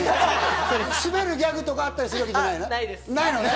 滑るギャグとかあったりするわけじゃないのね。